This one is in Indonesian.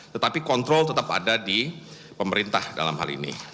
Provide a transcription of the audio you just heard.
tetapi kontrol tetap ada di pemerintah dalam hal ini